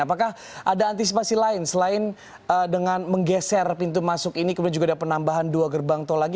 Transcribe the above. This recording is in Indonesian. apakah ada antisipasi lain selain dengan menggeser pintu masuk ini kemudian juga ada penambahan dua gerbang tol lagi